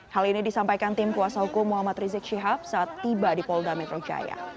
hal ini disampaikan tim kuasa hukum muhammad rizik syihab saat tiba di polda metro jaya